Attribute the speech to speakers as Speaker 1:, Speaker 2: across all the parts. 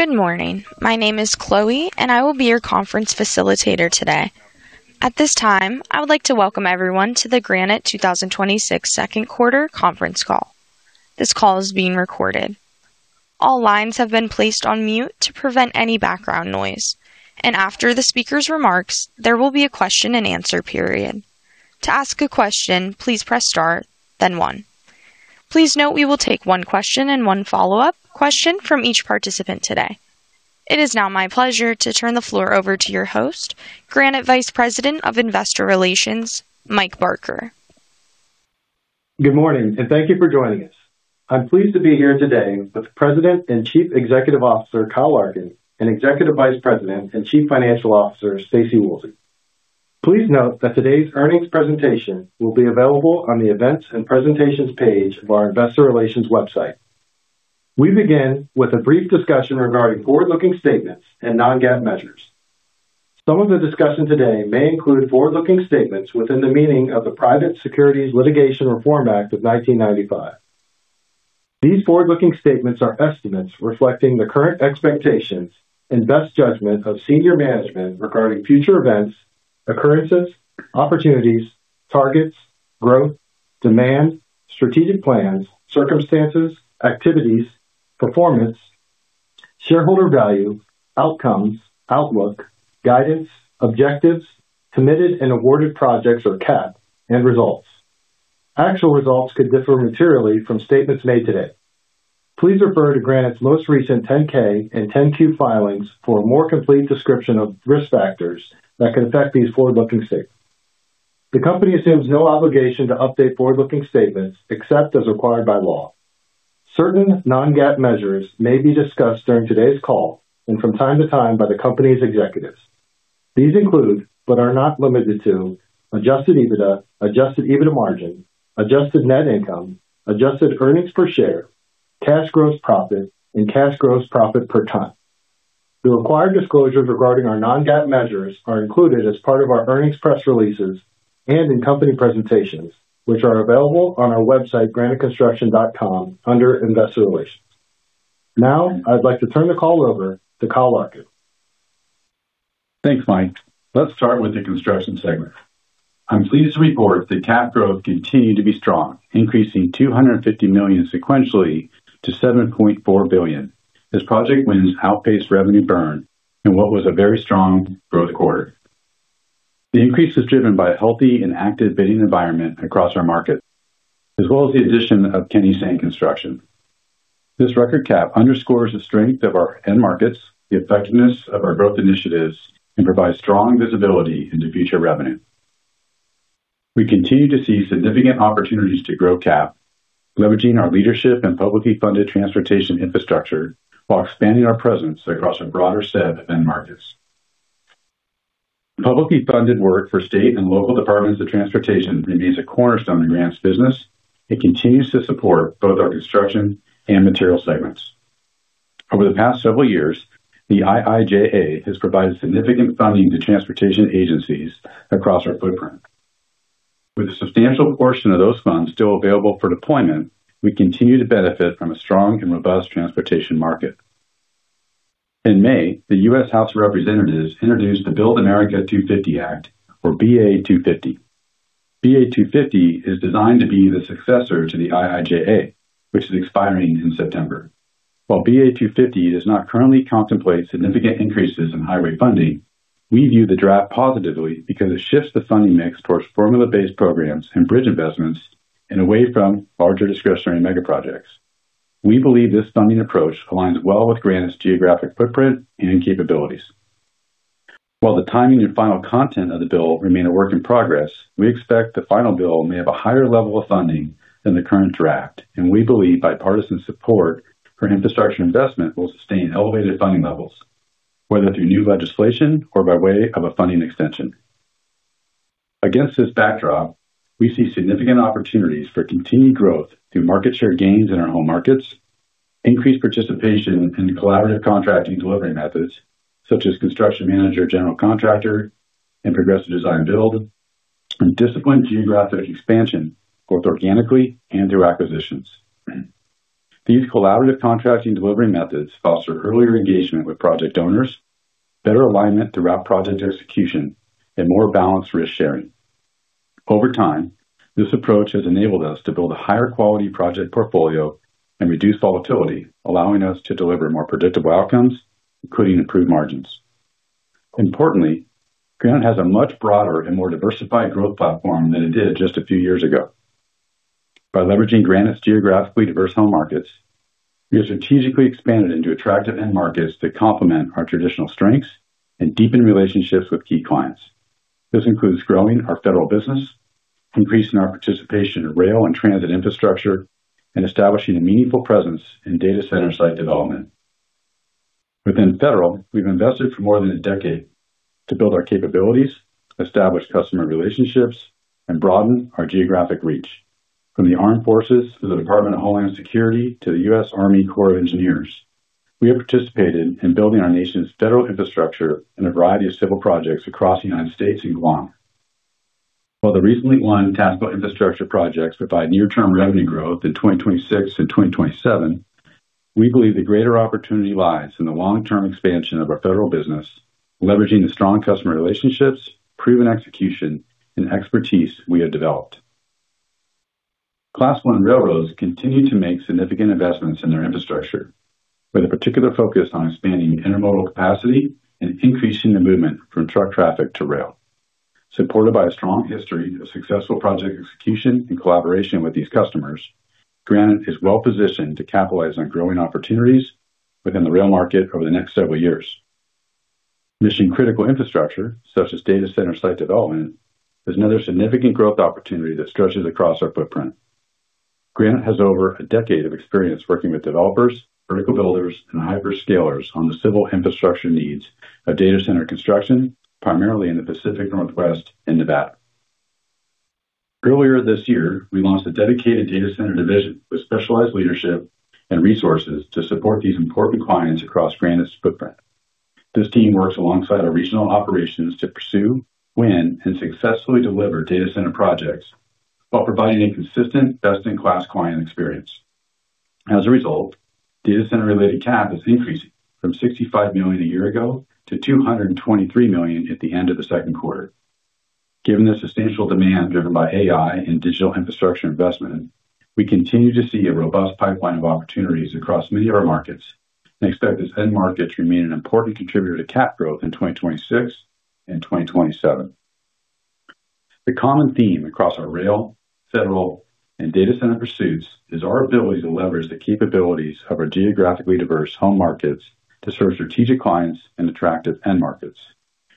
Speaker 1: Good morning. My name is Chloe, and I will be your conference facilitator today. At this time, I would like to welcome everyone to the Granite 2026 Second Quarter Conference Call. This call is being recorded. All lines have been placed on mute to prevent any background noise. After the speakers' remarks, there will be a question and answer period. To ask a question, please press star then one. Please note we will take one question and one follow-up question from each participant today. It is now my pleasure to turn the floor over to your host, Granite Vice President of Investor Relations, Mike Barker.
Speaker 2: Good morning. Thank you for joining us. I'm pleased to be here today with President and Chief Executive Officer, Kyle Larkin, and Executive Vice President and Chief Financial Officer, Staci Woolsey. Please note that today's earnings presentation will be available on the Events & Presentations page of our investor relations website. We begin with a brief discussion regarding forward-looking statements and non-GAAP measures. Some of the discussion today may include forward-looking statements within the meaning of the Private Securities Litigation Reform Act of 1995. These forward-looking statements are estimates reflecting the current expectations and best judgment of senior management regarding future events, occurrences, opportunities, targets, growth, demand, strategic plans, circumstances, activities, performance, shareholder value, outcomes, outlook, guidance, objectives, committed and awarded projects, or CAP, and results. Actual results could differ materially from statements made today. Please refer to Granite's most recent 10-K and 10-Q filings for a more complete description of risk factors that can affect these forward-looking statements. The company assumes no obligation to update forward-looking statements except as required by law. Certain non-GAAP measures may be discussed during today's call and from time to time by the company's executives. These include, but are not limited to, adjusted EBITDA, adjusted EBITDA margin, adjusted net income, adjusted earnings per share, cash gross profit, and cash gross profit per ton. The required disclosures regarding our non-GAAP measures are included as part of our earnings press releases and in company presentations, which are available on our website graniteconstruction.com under Investor Relations. I'd like to turn the call over to Kyle Larkin.
Speaker 3: Thanks, Mike. Let's start with the construction segment. I'm pleased to report that CAP growth continued to be strong, increasing $250 million sequentially to $7.4 billion as project wins outpaced revenue burn in what was a very strong growth quarter. The increase was driven by a healthy and active bidding environment across our markets, as well as the addition of Kenny Seng Construction. This record CAP underscores the strength of our end markets, the effectiveness of our growth initiatives, and provides strong visibility into future revenue. We continue to see significant opportunities to grow CAP, leveraging our leadership in publicly funded transportation infrastructure while expanding our presence across a broader set of end markets. Publicly funded work for state and local departments of transportation remains a cornerstone in Granite's business and continues to support both our construction and materials segments. Over the past several years, the IIJA has provided significant funding to transportation agencies across our footprint. With a substantial portion of those funds still available for deployment, we continue to benefit from a strong and robust transportation market. In May, the U.S. House of Representatives introduced the Build America 250 Act, or BA 250. BA 250 is designed to be the successor to the IIJA, which is expiring in September. While BA 250 does not currently contemplate significant increases in highway funding, we view the draft positively because it shifts the funding mix towards formula-based programs and bridge investments and away from larger discretionary mega projects. We believe this funding approach aligns well with Granite's geographic footprint and capabilities. While the timing and final content of the bill remain a work in progress, we expect the final bill may have a higher level of funding than the current draft. We believe bipartisan support for infrastructure investment will sustain elevated funding levels, whether through new legislation or by way of a funding extension. Against this backdrop, we see significant opportunities for continued growth through market share gains in our home markets, increased participation in collaborative contracting delivery methods such as Construction Manager/General Contractor and Progressive Design-Build, and disciplined geographic expansion, both organically and through acquisitions. These collaborative contracting delivery methods foster earlier engagement with project owners, better alignment throughout project execution, and more balanced risk sharing. Over time, this approach has enabled us to build a higher quality project portfolio and reduce volatility, allowing us to deliver more predictable outcomes, including improved margins. Importantly, Granite has a much broader and more diversified growth platform than it did just a few years ago. By leveraging Granite's geographically diverse home markets, we have strategically expanded into attractive end markets to complement our traditional strengths and deepen relationships with key clients. This includes growing our federal business, increasing our participation in rail and transit infrastructure, and establishing a meaningful presence in data center site development. Within federal, we've invested for more than a decade to build our capabilities, establish customer relationships, and broaden our geographic reach. From the Armed Forces to the Department of Homeland Security to the U.S. Army Corps of Engineers, we have participated in building our nation's federal infrastructure in a variety of civil projects across the United States and Guam. While the recently won TASFA infrastructure projects provide near-term revenue growth in 2026 and 2027, we believe the greater opportunity lies in the long-term expansion of our federal business, leveraging the strong customer relationships, proven execution, and expertise we have developed. Class I railroads continue to make significant investments in their infrastructure, with a particular focus on expanding intermodal capacity and increasing the movement from truck traffic to rail. Supported by a strong history of successful project execution and collaboration with these customers, Granite is well-positioned to capitalize on growing opportunities within the rail market over the next several years. Mission-critical infrastructure, such as data center site development, is another significant growth opportunity that stretches across our footprint. Granite has over a decade of experience working with developers, vertical builders, and hyperscalers on the civil infrastructure needs of data center construction, primarily in the Pacific Northwest and Nevada. Earlier this year, we launched a dedicated data center division with specialized leadership and resources to support these important clients across Granite's footprint. This team works alongside our regional operations to pursue, win, and successfully deliver data center projects while providing a consistent best-in-class client experience. As a result, data center-related CAP has increased from $65 million a year ago to $223 million at the end of the second quarter. Given the substantial demand driven by AI and digital infrastructure investment, we continue to see a robust pipeline of opportunities across many of our markets and expect these end markets to remain an important contributor to CAP growth in 2026 and 2027. The common theme across our rail, federal, and data center pursuits is our ability to leverage the capabilities of our geographically diverse home markets to serve strategic clients and attractive end markets.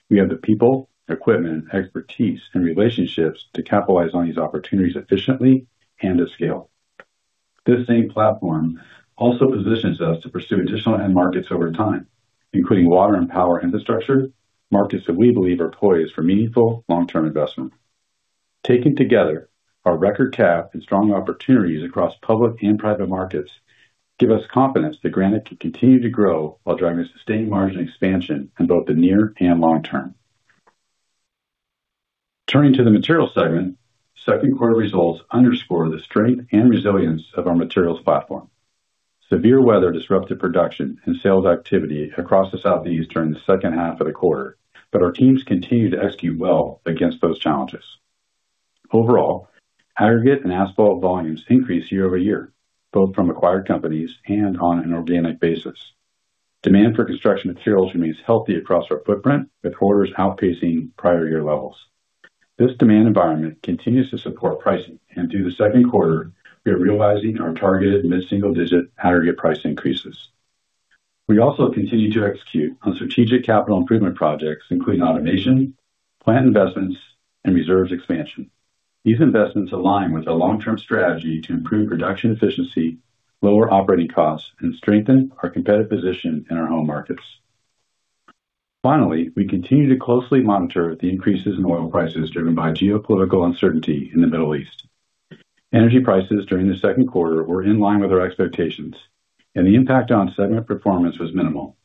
Speaker 3: We have the people, equipment, expertise, and relationships to capitalize on these opportunities efficiently and at scale. This same platform also positions us to pursue additional end markets over time, including water and power infrastructure, markets that we believe are poised for meaningful long-term investment. Taken together, our record CAP and strong opportunities across public and private markets give us confidence that Granite can continue to grow while driving sustained margin expansion in both the near and long term. Turning to the materials segment, second quarter results underscore the strength and resilience of our materials platform. Severe weather disrupted production and sales activity across the Southeast during the second half of the quarter. Our teams continued to execute well against those challenges. Overall, aggregate and asphalt volumes increased year over year, both from acquired companies and on an organic basis. Demand for construction materials remains healthy across our footprint, with orders outpacing prior year levels. This demand environment continues to support pricing. Through the second quarter, we are realizing our targeted mid-single-digit aggregate price increases. We also continue to execute on strategic capital improvement projects, including automation, plant investments, and reserves expansion. These investments align with our long-term strategy to improve production efficiency, lower operating costs, and strengthen our competitive position in our home markets. Finally, we continue to closely monitor the increases in oil prices driven by geopolitical uncertainty in the Middle East. Energy prices during the second quarter were in line with our expectations. The impact on segment performance was minimal.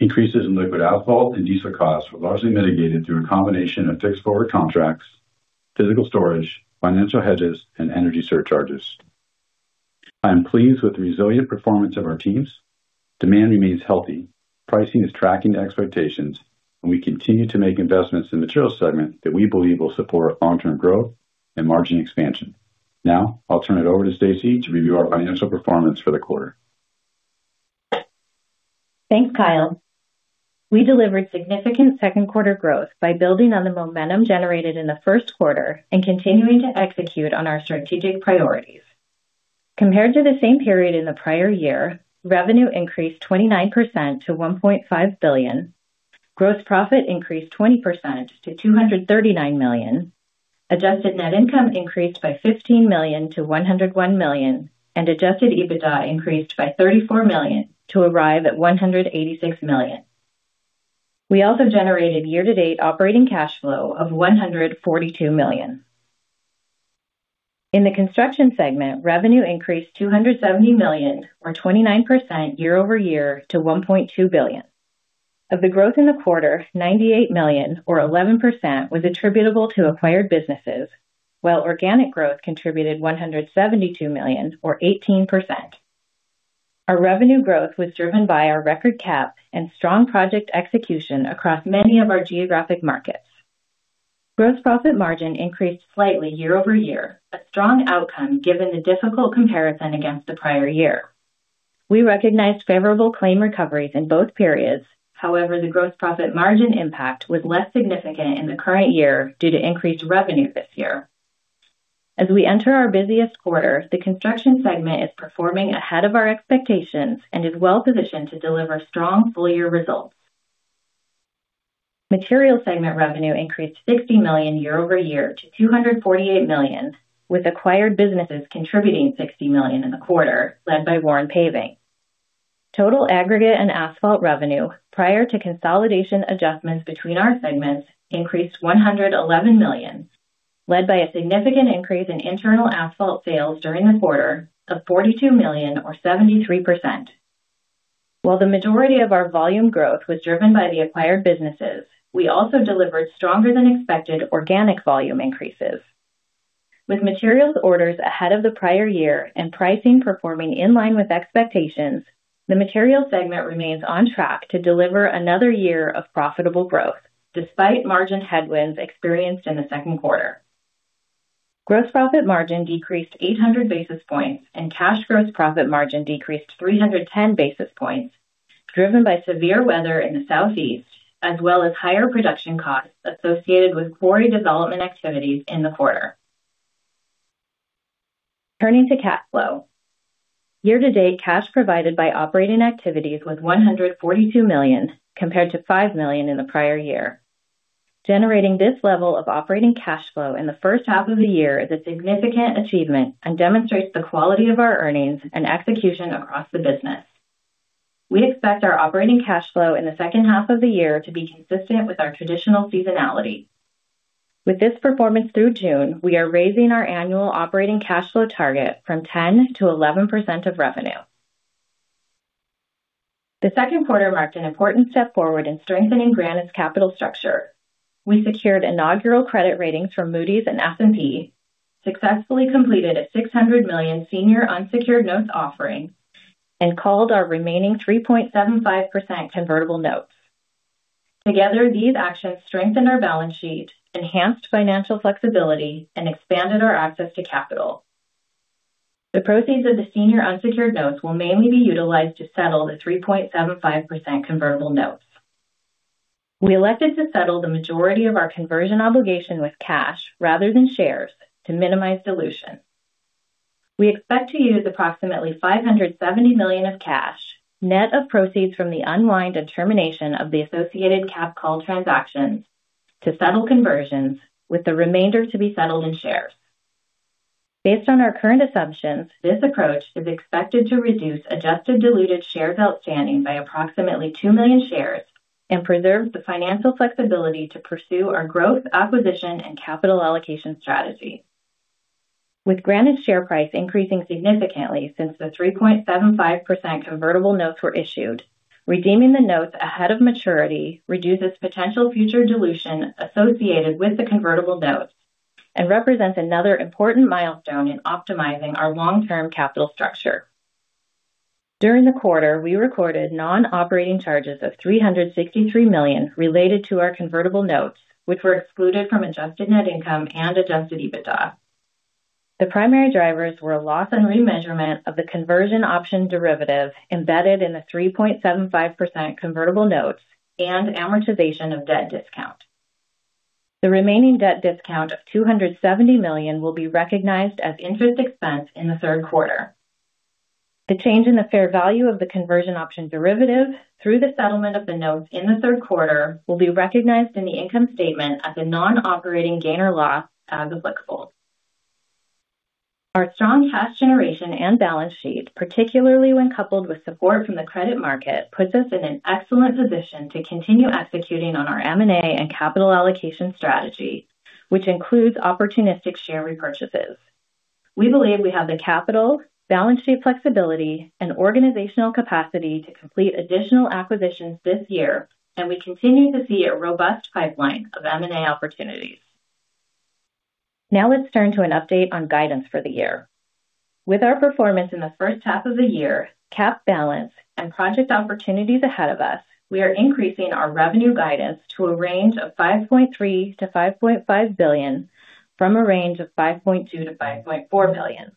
Speaker 3: Increases in liquid asphalt and diesel costs were largely mitigated through a combination of fixed forward contracts, physical storage, financial hedges, and energy surcharges. I am pleased with the resilient performance of our teams. Demand remains healthy, pricing is tracking to expectations. We continue to make investments in the materials segment that we believe will support long-term growth and margin expansion. Now, I'll turn it over to Staci to review our financial performance for the quarter.
Speaker 4: Thanks, Kyle. We delivered significant second quarter growth by building on the momentum generated in the first quarter and continuing to execute on our strategic priorities. Compared to the same period in the prior year, revenue increased 29% to $1.5 billion. Gross profit increased 20% to $239 million. Adjusted net income increased by $15 million to $101 million. Adjusted EBITDA increased by $34 million to arrive at $186 million. We also generated year-to-date operating cash flow of $142 million. In the construction segment, revenue increased $270 million, or 29% year-over-year, to $1.2 billion. Of the growth in the quarter, $98 million, or 11%, was attributable to acquired businesses, while organic growth contributed $172 million, or 18%. Our revenue growth was driven by our record CAP and strong project execution across many of our geographic markets. Gross profit margin increased slightly year-over-year, a strong outcome given the difficult comparison against the prior year. We recognized favorable claim recoveries in both periods. However, the gross profit margin impact was less significant in the current year due to increased revenue this year. As we enter our busiest quarter, the construction segment is performing ahead of our expectations and is well positioned to deliver strong full-year results. Materials segment revenue increased $60 million year-over-year to $248 million, with acquired businesses contributing $60 million in the quarter, led by Warren Paving. Total aggregate and asphalt revenue prior to consolidation adjustments between our segments increased $111 million, led by a significant increase in internal asphalt sales during the quarter of $42 million, or 73%. While the majority of our volume growth was driven by the acquired businesses, we also delivered stronger than expected organic volume increases. With materials orders ahead of the prior year and pricing performing in line with expectations, the materials segment remains on track to deliver another year of profitable growth, despite margin headwinds experienced in the second quarter. Gross profit margin decreased 800 basis points, and cash gross profit margin decreased 310 basis points, driven by severe weather in the Southeast, as well as higher production costs associated with quarry development activities in the quarter. Turning to cash flow. Year-to-date, cash provided by operating activities was $142 million, compared to $5 million in the prior year. Generating this level of operating cash flow in the first half of the year is a significant achievement and demonstrates the quality of our earnings and execution across the business. We expect our operating cash flow in the second half of the year to be consistent with our traditional seasonality. With this performance through June, we are raising our annual operating cash flow target from 10%-11% of revenue. The second quarter marked an important step forward in strengthening Granite's capital structure. We secured inaugural credit ratings from Moody's and S&P, successfully completed a $600 million senior unsecured notes offering, and called our remaining 3.75% convertible notes. Together, these actions strengthened our balance sheet, enhanced financial flexibility, and expanded our access to capital. The proceeds of the senior unsecured notes will mainly be utilized to settle the 3.75% convertible notes. We elected to settle the majority of our conversion obligation with cash rather than shares to minimize dilution. We expect to use approximately $570 million of cash, net of proceeds from the unwind and termination of the associated cap call transactions to settle conversions with the remainder to be settled in shares. Based on our current assumptions, this approach is expected to reduce adjusted diluted shares outstanding by approximately 2 million shares and preserve the financial flexibility to pursue our growth, acquisition, and capital allocation strategy. With Granite's share price increasing significantly since the 3.75% convertible notes were issued, redeeming the notes ahead of maturity reduces potential future dilution associated with the convertible notes and represents another important milestone in optimizing our long-term capital structure. During the quarter, we recorded non-operating charges of $363 million related to our convertible notes, which were excluded from adjusted net income and adjusted EBITDA. The primary drivers were a loss on remeasurement of the conversion option derivative embedded in the 3.75% convertible notes and amortization of debt discount. The remaining debt discount of $270 million will be recognized as interest expense in the third quarter. The change in the fair value of the conversion option derivative through the settlement of the notes in the third quarter will be recognized in the income statement as a non-operating gain or loss as applicable. Our strong cash generation and balance sheet, particularly when coupled with support from the credit market, puts us in an excellent position to continue executing on our M&A and capital allocation strategy, which includes opportunistic share repurchases. We believe we have the capital, balance sheet flexibility, and organizational capacity to complete additional acquisitions this year, and we continue to see a robust pipeline of M&A opportunities. Let's turn to an update on guidance for the year. With our performance in the first half of the year, cap balance, and project opportunities ahead of us, we are increasing our revenue guidance to a range of $5.3 billion-$5.5 billion, from a range of $5.2 billion-$5.4 billion.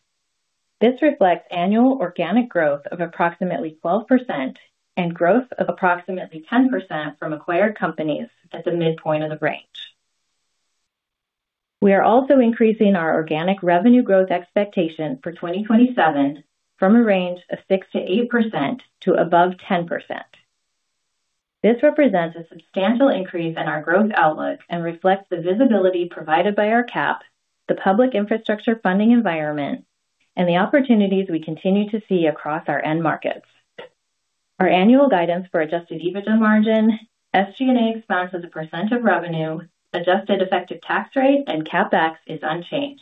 Speaker 4: This reflects annual organic growth of approximately 12% and growth of approximately 10% from acquired companies at the midpoint of the range. We are also increasing our organic revenue growth expectation for 2027 from a range of 6%-8% to above 10%. This represents a substantial increase in our growth outlook and reflects the visibility provided by our cap, the public infrastructure funding environment, and the opportunities we continue to see across our end markets. Our annual guidance for adjusted EBITDA margin, SG&A expense as a percent of revenue, adjusted effective tax rate, and CapEx is unchanged.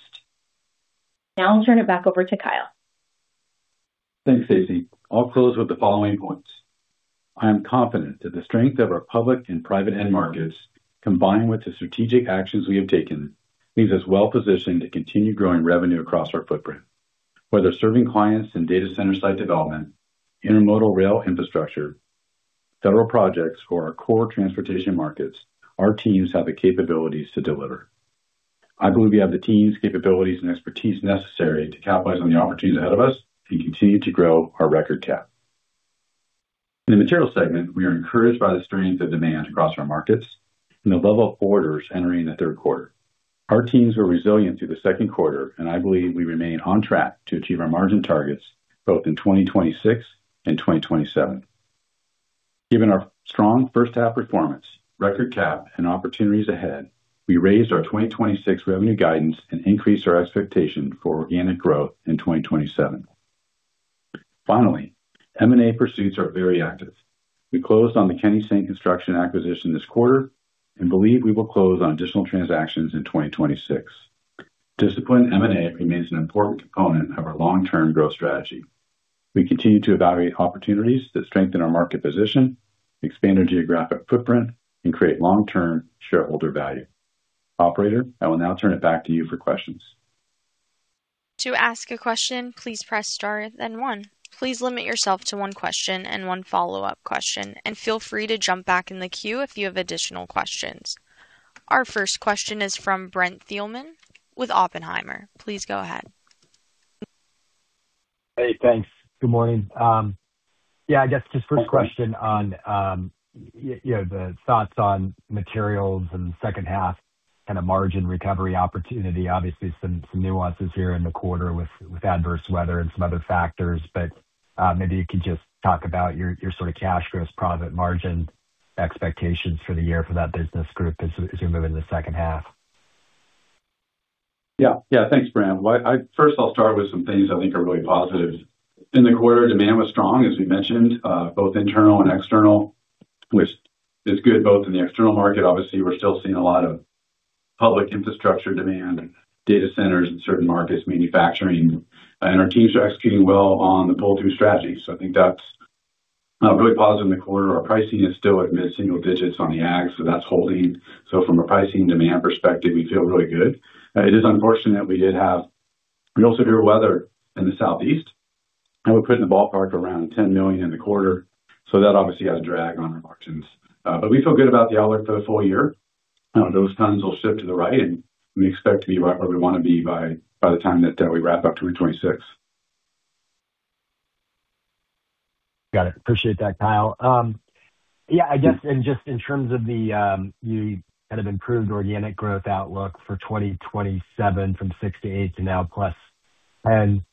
Speaker 4: I'll turn it back over to Kyle.
Speaker 3: Thanks, Staci. I'll close with the following points. I am confident that the strength of our public and private end markets, combined with the strategic actions we have taken, leaves us well-positioned to continue growing revenue across our footprint. Whether serving clients in data center site development, intermodal rail infrastructure, federal projects, or our core transportation markets, our teams have the capabilities to deliver. I believe we have the teams, capabilities, and expertise necessary to capitalize on the opportunities ahead of us and continue to grow our record cap. In the materials segment, we are encouraged by the strength of demand across our markets and the level of orders entering the third quarter. Our teams were resilient through the second quarter, and I believe we remain on track to achieve our margin targets both in 2026 and 2027. Given our strong first half performance, record CapEx, and opportunities ahead, we raised our 2026 revenue guidance and increased our expectation for organic growth in 2027. M&A pursuits are very active. We closed on the Kenny Seng Construction acquisition this quarter and believe we will close on additional transactions in 2026. Disciplined M&A remains an important component of our long-term growth strategy. We continue to evaluate opportunities that strengthen our market position, expand our geographic footprint, and create long-term shareholder value. Operator, I will now turn it back to you for questions.
Speaker 1: To ask a question, please press star, then one. Please limit yourself to one question and one follow-up question, and feel free to jump back in the queue if you have additional questions. Our first question is from Brent Thielman with Oppenheimer. Please go ahead.
Speaker 5: Hey, thanks. Good morning. I guess just first question on the thoughts on materials in the second half and a margin recovery opportunity. Obviously, some nuances here in the quarter with adverse weather and some other factors, but maybe you could just talk about your sort of cash gross profit margin expectations for the year for that business group as you move into the second half.
Speaker 3: Thanks, Brent. First, I'll start with some things I think are really positive. In the quarter, demand was strong, as we mentioned, both internal and external, which is good both in the external market. Obviously, we're still seeing a lot of public infrastructure demand and data centers in certain markets, manufacturing, and our teams are executing well on the pull-through strategy. I think that's really positive in the quarter. Our pricing is still at mid-single digits on the agg, that's holding. From a pricing demand perspective, we feel really good. It is unfortunate we did have real severe weather in the southeast, and we're putting the ballpark around $10 million in the quarter. That obviously has a drag on our margins. We feel good about the outlook for the full year. Those tons will shift to the right, we expect to be right where we want to be by the time that we wrap up 2026.
Speaker 5: Got it. Appreciate that, Kyle. Just in terms of the kind of improved organic growth outlook for 2027 from 6%-8% to now +10%,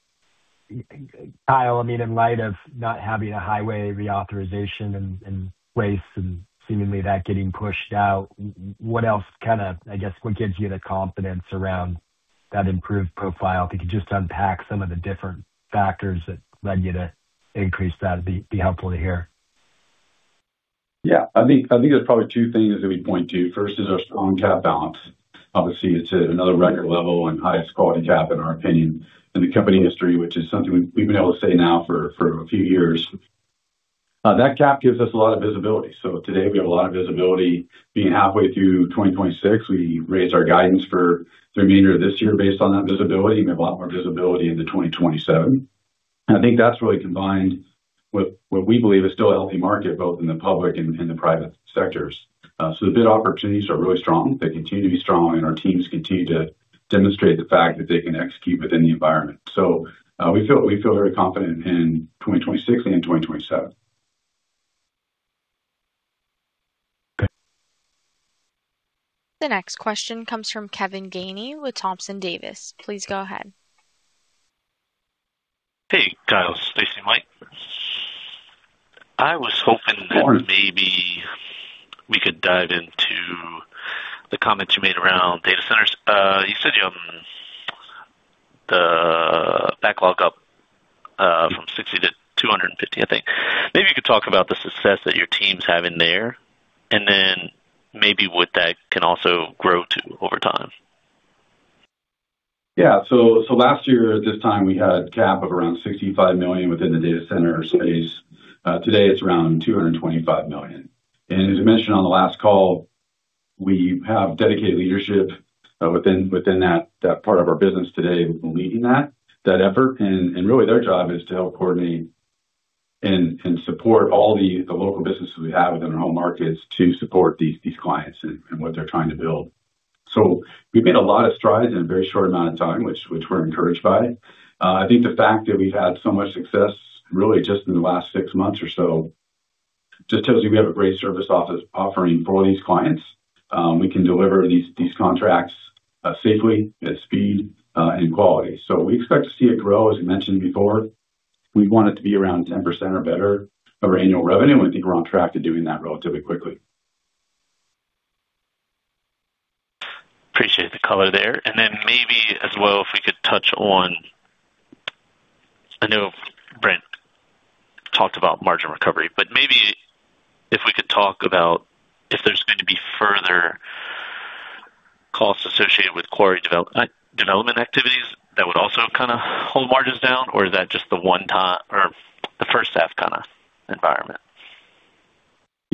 Speaker 5: Kyle, in light of not having a highway reauthorization and waste and seemingly that getting pushed out, what gives you the confidence around that improved profile? If you could just unpack some of the different factors that led you to increase that, it would be helpful to hear.
Speaker 3: I think there's probably two things that we point to. First is our strong CAP balance. Obviously, it's at another record level and highest quality CAP, in our opinion, in the company history, which is something we've been able to say now for a few years. That CAP gives us a lot of visibility. Today, we have a lot of visibility being halfway through 2026. We raised our guidance for the remainder of this year based on that visibility. We have a lot more visibility into 2027. I think that's really combined with what we believe is still a healthy market, both in the public and the private sectors. The bid opportunities are really strong. They continue to be strong, and our teams continue to demonstrate the fact that they can execute within the environment. We feel very confident in 2026 and in 2027.
Speaker 5: Okay.
Speaker 1: The next question comes from Kevin Gainey with Thompson Davis. Please go ahead.
Speaker 6: Hey, Kyle, Staci, Mike. I was hoping that maybe we could dive into the comments you made around data centers. You said you have the backlog up from $60 million-$250 million, I think. Maybe you could talk about the success that your team's having there, what that can also grow to over time.
Speaker 3: Yeah. Last year at this time, we had CapEx of around $65 million within the data center space. Today, it's around $225 million. As I mentioned on the last call, we have dedicated leadership within that part of our business today leading that effort. Their job is to help coordinate and support all the local businesses we have within our home markets to support these clients and what they're trying to build. We've made a lot of strides in a very short amount of time, which we're encouraged by. I think the fact that we've had so much success, really just in the last six months or so, just tells you we have a great service offering for these clients. We can deliver these contracts safely at speed and quality. We expect to see it grow. As we mentioned before, we want it to be around 10% or better of our annual revenue, I think we're on track to doing that relatively quickly.
Speaker 6: Appreciate the color there. Maybe as well, if we could touch on, I know Brent talked about margin recovery, but maybe if we could talk about if there's going to be further costs associated with quarry development activities that would also kind of hold margins down, or is that just the one-time or the first half kind of environment?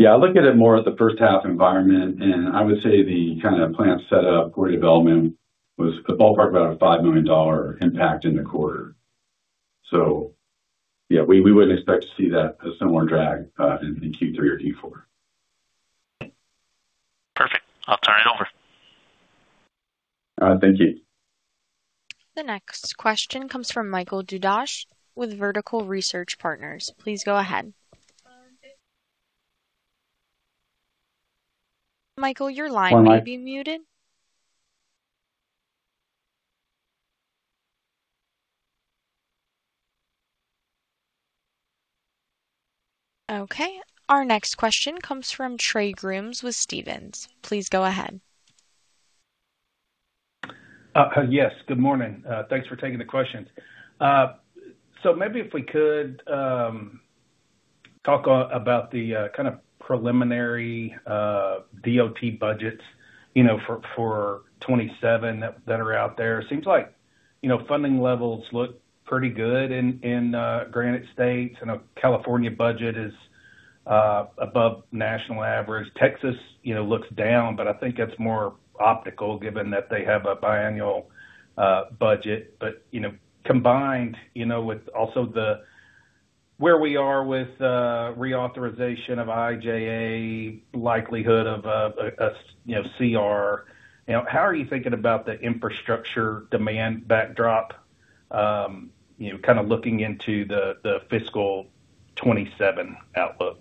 Speaker 3: I look at it more as the first half environment, and I would say the kind of plant set up, quarry development was the ballpark of about a $5 million impact in the quarter. We wouldn't expect to see that similar drag in Q3 or Q4.
Speaker 6: Perfect. I'll turn it over.
Speaker 3: Thank you.
Speaker 1: The next question comes from Michael Dudas with Vertical Research Partners. Please go ahead. Michael, your line may be muted. Okay. Our next question comes from Trey Grooms with Stephens. Please go ahead.
Speaker 7: Good morning. Thanks for taking the questions. Maybe if we could talk about the preliminary DOT budgets for 2027 that are out there. Seems like funding levels look pretty good in Granite states. I know California budget is above national average. Texas looks down, but I think that's more optical given that they have a biannual budget. Combined, with also the where we are with reauthorization of IIJA, likelihood of a CR. How are you thinking about the infrastructure demand backdrop, kind of looking into the fiscal 2027 outlook?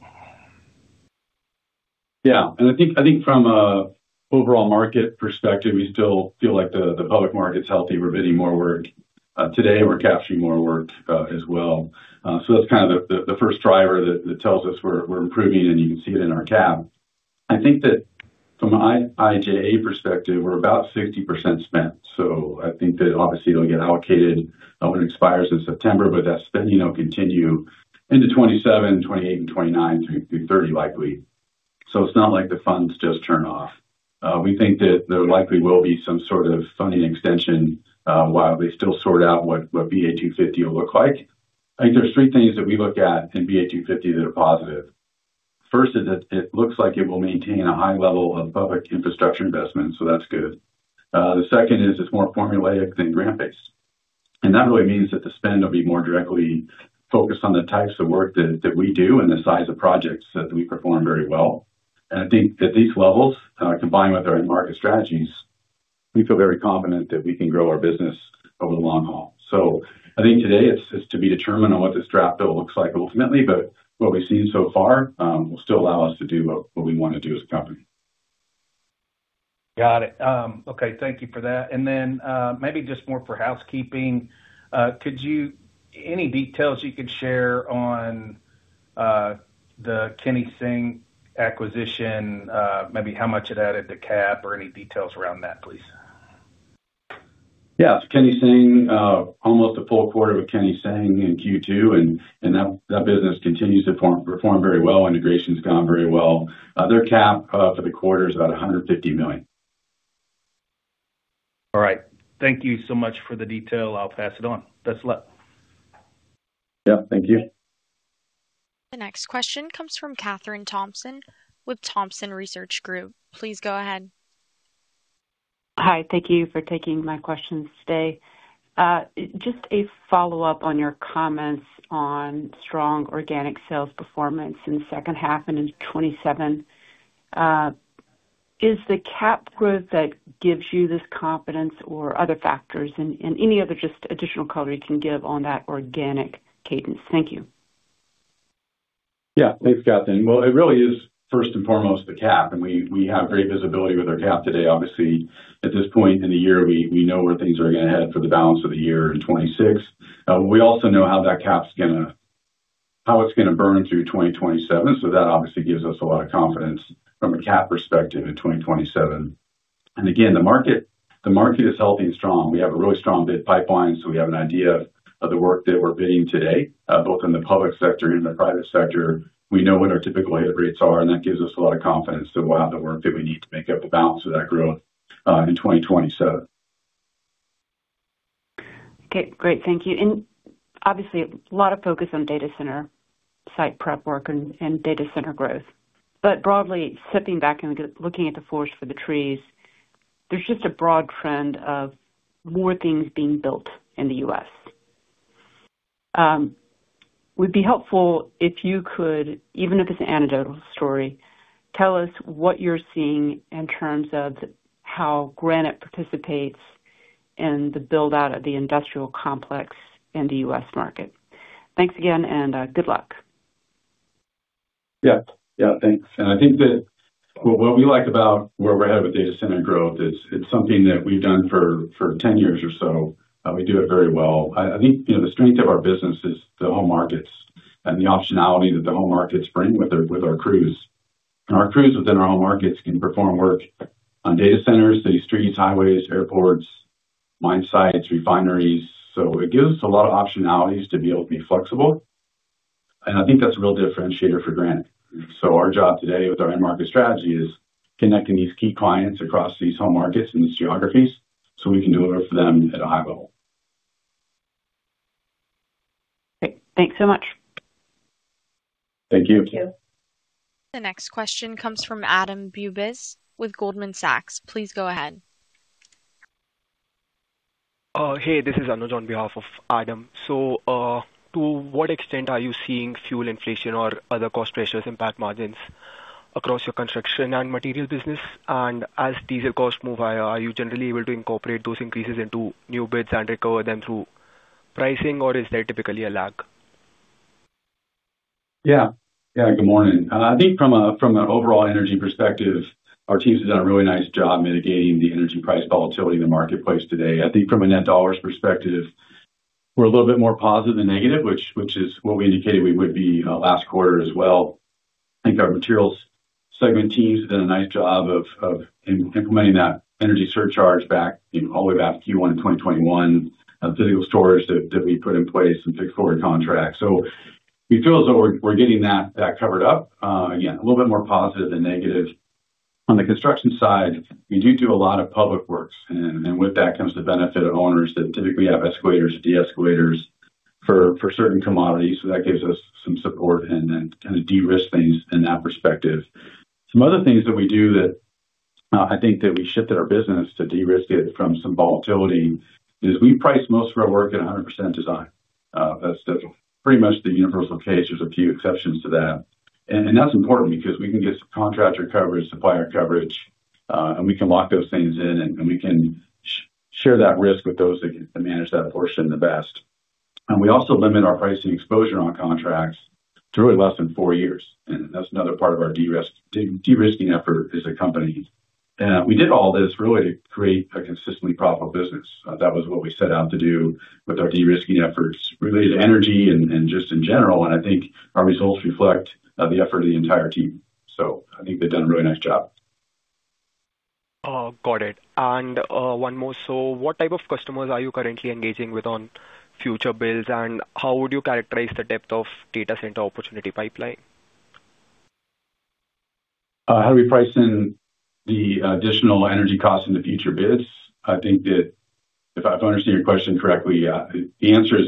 Speaker 3: I think from an overall market perspective, we still feel like the public market's healthy. We're bidding more work today, and we're capturing more work as well. That's kind of the first driver that tells us we're improving, and you can see it in our CAP. I think that from an IIJA perspective, we're about 60% spent. I think that obviously it'll get allocated when it expires in September, but that spend continue into 2027, 2028, and 2029 through to 2030, likely. It's not like the funds just turn off. We think that there likely will be some sort of funding extension, while they still sort out what BA 250 will look like. I think there's three things that we look at in BA 250 that are positive. First is that it looks like it will maintain a high level of public infrastructure investment, that's good. The second is it's more formulaic than grant-based. That really means that the spend will be more directly focused on the types of work that we do and the size of projects that we perform very well. I think at these levels, combined with our end market strategies, we feel very confident that we can grow our business over the long haul. I think today it's to be determined on what this draft bill looks like ultimately, but what we've seen so far, will still allow us to do what we want to do as a company.
Speaker 7: Got it. Okay, thank you for that. Then, maybe just more for housekeeping. Any details you could share on the Kenny Seng acquisition, maybe how much it added to CAP or any details around that, please?
Speaker 3: Yeah. Kenny Seng, almost a full quarter with Kenny Seng in Q2, and that business continues to perform very well. Integration's gone very well. Their CapEx, for the quarter, is about $150 million.
Speaker 7: All right. Thank you so much for the detail. I will pass it on. Best luck.
Speaker 3: Yeah, thank you.
Speaker 1: The next question comes from Kathryn Thompson with Thompson Research Group. Please go ahead.
Speaker 8: Hi. Thank you for taking my questions today. Just a follow-up on your comments on strong organic sales performance in the second half and in 2027. Is the CAP growth that gives you this confidence or other factors, any other additional color you can give on that organic cadence? Thank you.
Speaker 3: Thanks, Kathryn. It really is first and foremost the CAP. We have great visibility with our CAP today. Obviously, at this point in the year, we know where things are going to head for the balance of the year in 2026. We also know how that CAP's going to burn through 2027. That obviously gives us a lot of confidence from a CAP perspective in 2027. Again, the market is healthy and strong. We have a really strong bid pipeline. We have an idea of the work that we're bidding today, both in the public sector and the private sector. We know what our typical head rates are. That gives us a lot of confidence that we'll have the work that we need to make up the balance of that growth, in 2027.
Speaker 8: Okay, great. Thank you. Obviously, a lot of focus on data center site prep work and data center growth. Broadly, stepping back and looking at the forest for the trees, there's just a broad trend of more things being built in the U.S. Would be helpful if you could, even if it's an anecdotal story, tell us what you're seeing in terms of how Granite participates in the build-out of the industrial complex in the U.S. market. Thanks again, and good luck.
Speaker 3: Thanks. I think that what we like about where we're headed with data center growth is it's something that we've done for 10 years or so. We do it very well. I think the strength of our business is the home markets and the optionality that the home markets bring with our crews. Our crews within our home markets can perform work on data centers, city streets, highways, airports, mine sites, refineries. It gives a lot of optionalities to be able to be flexible. I think that's a real differentiator for Granite. Our job today with our end market strategy is connecting these key clients across these home markets and these geographies so we can deliver for them at a high level.
Speaker 8: Great. Thanks so much.
Speaker 3: Thank you.
Speaker 1: The next question comes from Adam Bubes with Goldman Sachs. Please go ahead.
Speaker 9: Hey, this is Anuj on behalf of Adam. To what extent are you seeing fuel inflation or other cost pressures impact margins across your construction and material business? As diesel costs move higher, are you generally able to incorporate those increases into new bids and recover them through pricing, or is there typically a lag?
Speaker 3: Yeah. Good morning. I think from an overall energy perspective, our teams have done a really nice job mitigating the energy price volatility in the marketplace today. I think from a net dollars perspective, we're a little bit more positive than negative, which is what we indicated we would be last quarter as well. I think our materials segment team has done a nice job of implementing that energy surcharge back all the way back to Q1 in 2021, physical storage that we put in place and fixed forward contracts. We feel as though we're getting that covered up. Again, a little bit more positive than negative. On the construction side, we do a lot of public works, and with that comes the benefit of owners that typically have escalators or de-escalators for certain commodities. That gives us some support and then kind of de-risk things in that perspective. Some other things that we do that I think that we shifted our business to de-risk it from some volatility is we price most of our work at 100% design. That's pretty much the universal case. There's a few exceptions to that, and that's important because we can get contractor coverage, supplier coverage, and we can lock those things in, and we can share that risk with those that can manage that portion the best. We also limit our pricing exposure on contracts to really less than four years, and that's another part of our de-risking effort as a company. We did all this really to create a consistently profitable business. That was what we set out to do with our de-risking efforts related to energy and just in general. I think our results reflect the effort of the entire team. I think they've done a really nice job.
Speaker 9: Got it. One more. What type of customers are you currently engaging with on future bids, and how would you characterize the depth of data center opportunity pipeline?
Speaker 3: How do we price in the additional energy costs in the future bids? I think that if I understand your question correctly, the answer is,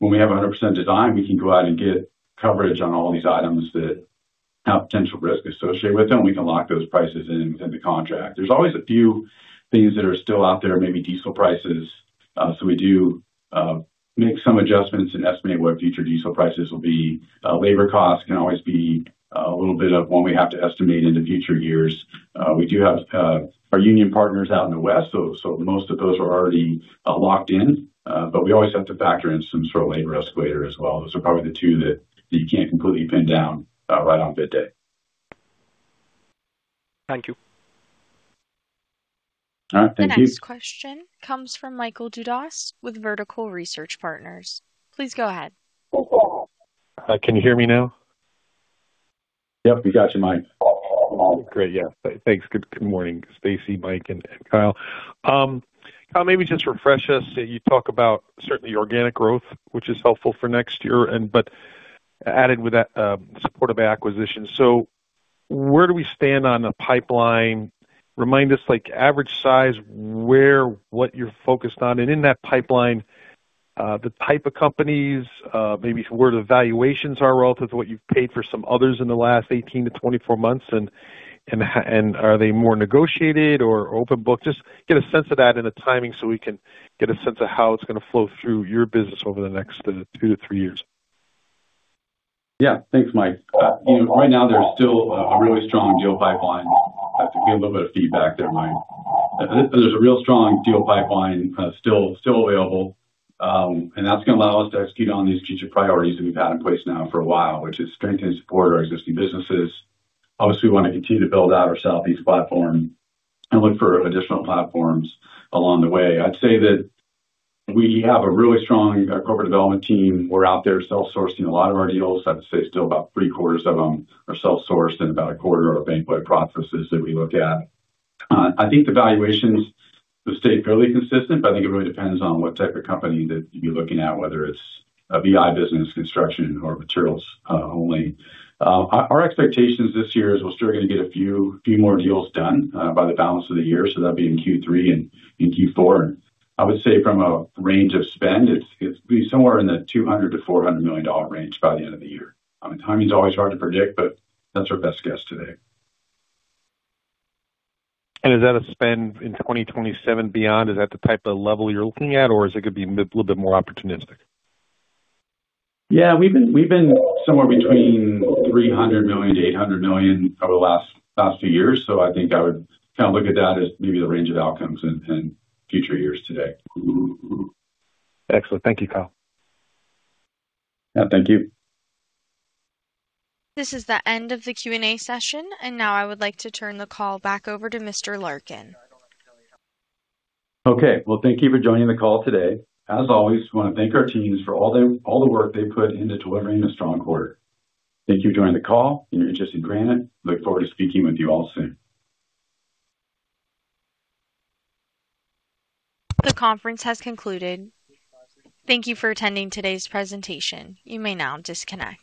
Speaker 3: when we have 100% design, we can go out and get coverage on all these items that have potential risk associated with them. We can lock those prices in within the contract. There's always a few things that are still out there, maybe diesel prices. We do make some adjustments and estimate what future diesel prices will be. Labor costs can always be a little bit of one we have to estimate into future years. We do have our union partners out in the west, so most of those are already locked in, but we always have to factor in some sort of labor escalator as well. Those are probably the two that you can't completely pin down right on bid day.
Speaker 9: Thank you.
Speaker 3: All right. Thank you.
Speaker 1: The next question comes from Michael Dudas with Vertical Research Partners. Please go ahead.
Speaker 10: Can you hear me now?
Speaker 3: Yep, we got you, Mike.
Speaker 10: Great. Yeah. Thanks. Good morning, Staci, Mike, and Kyle. Kyle, maybe just refresh us. You talk about certainly organic growth, which is helpful for next year, but added with that support of acquisitions. Where do we stand on the pipeline? Remind us average size, where, what you're focused on. In that pipeline, the type of companies, maybe where the valuations are relative to what you've paid for some others in the last 18-24 months, and are they more negotiated or open book? Just get a sense of that and the timing so we can get a sense of how it's going to flow through your business over the next two to three years.
Speaker 3: Yeah. Thanks, Mike. Right now, there's still a really strong deal pipeline. I think a little bit of feedback there, Mike. There's a real strong deal pipeline still available. That's going to allow us to execute on these strategic priorities that we've had in place now for a while, which is strengthen and support our existing businesses. Obviously, we want to continue to build out our Southeast platform and look for additional platforms along the way. I'd say that we have a really strong corporate development team. We're out there self-sourcing a lot of our deals. I'd say still about three-quarters of them are self-sourced and about a quarter are bank debt processes that we look at. I think the valuations have stayed fairly consistent, but I think it really depends on what type of company that you're looking at, whether it's a VI business, construction, or materials only. Our expectations this year is we're still going to get a few more deals done by the balance of the year, so that'd be in Q3 and in Q4. I would say from a range of spend, it'd be somewhere in the $200 million-$400 million range by the end of the year. Timing's always hard to predict, but that's our best guess today.
Speaker 10: Is that a spend in 2027 beyond? Is that the type of level you're looking at, or is it going to be a little bit more opportunistic?
Speaker 3: Yeah, we've been somewhere between $300 million-$800 million over the last few years. I think I would look at that as maybe the range of outcomes in future years today.
Speaker 10: Excellent. Thank you, Kyle.
Speaker 3: Yeah. Thank you.
Speaker 1: This is the end of the Q&A session. Now I would like to turn the call back over to Mr. Larkin.
Speaker 3: Okay. Well, thank you for joining the call today. As always, we want to thank our teams for all the work they put into delivering a strong quarter. Thank you for joining the call and your interest in Granite. Look forward to speaking with you all soon.
Speaker 1: This conference has concluded. Thank you for attending today's presentation. You may now disconnect.